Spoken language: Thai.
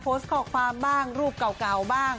โพสต์ข้อความบ้างรูปเก่าบ้าง